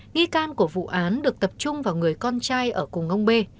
nghi can của vụ án được tập trung vào người con trai ở cùng ông bê